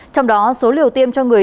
trong đó số liều tiêm cho người